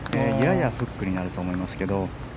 ややフックになると思いますけど。